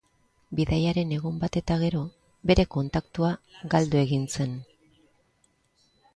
Bidaiaren egun bat eta gero, bere kontaktua galdu egin zen.